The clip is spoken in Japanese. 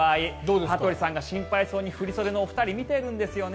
羽鳥さんが心配そうに振り袖のお二人を見ているんですよね。